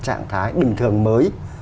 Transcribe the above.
trạng thái bình thường mới